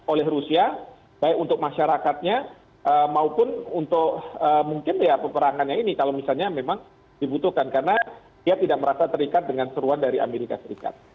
oleh rusia baik untuk masyarakatnya maupun untuk mungkin ya peperangannya ini kalau misalnya memang dibutuhkan karena dia tidak merasa terikat dengan seruan dari amerika serikat